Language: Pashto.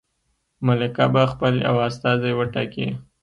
ملکه به خپل یو استازی وټاکي.